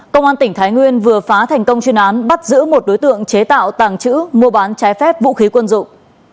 công an tỉnh thái nguyên vừa phá thành công chuyên án bắt giữ một đối tượng chế tạo tàng trữ mua bán trái phép vũ khí quân dụng